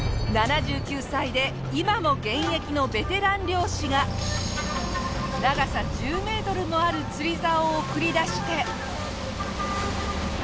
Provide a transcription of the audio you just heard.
７９歳で今も現役のベテラン漁師が長さ１０メートルもある釣りざおを繰り出して。